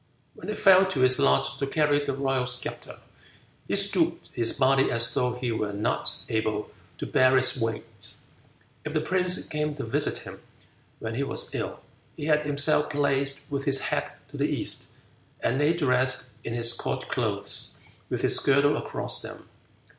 When it fell to his lot to carry the royal sceptre, he stooped his body as though he were not able to bear its weight. If the prince came to visit him when he was ill, he had himself placed with his head to the east, and lay dressed in his court clothes with his girdle across them.